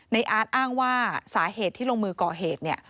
อาร์ตอ้างว่าสาเหตุที่ลงมือก่อเหตุเนี่ย